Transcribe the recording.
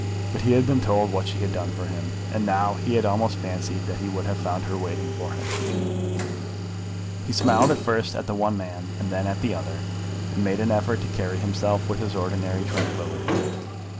But he had been told what she had done for him, and now he had almost fancied that he would have found her waiting for him. He smiled first at the one man and then at the other, and made an effort to carry himself with his ordinary tranquillity.